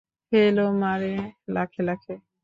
ফেলও মারে লাখে লাখে।